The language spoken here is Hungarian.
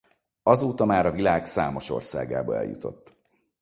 Azóta már a világ számos országába eljutott.